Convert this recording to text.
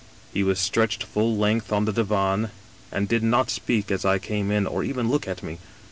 He was stretched full length on the divan, and did not speak as I came in, or even look at me.